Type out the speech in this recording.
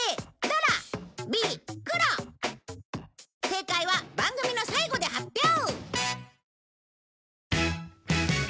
正解は番組の最後で発表！